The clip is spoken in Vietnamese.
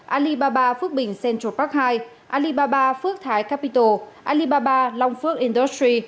alibaba phước bình central park hai alibaba phước thái capital alibaba long phước industry